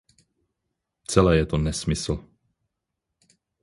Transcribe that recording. Celé je to nesmysl.